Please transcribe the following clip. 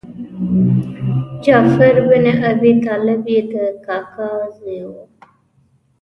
جعفر بن ابي طالب یې د کاکا زوی و.